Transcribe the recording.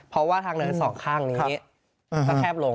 เพราะว่าทางเนินสองข้างนี้ก็แคบลง